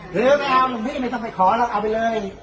หรือไม่เอาคลุมนี้นะทั้งแต่ขอแล้วเอาไปเลย